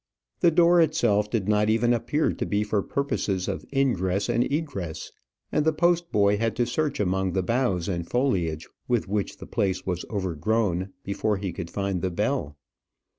The door itself did not even appear to be for purposes of ingress and egress, and the post boy had to search among the boughs and foliage with which the place was overgrown before he could find the bell.